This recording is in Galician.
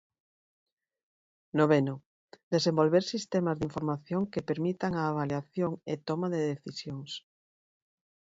Noveno, desenvolver sistemas de información que permitan a avaliación e toma de decisións.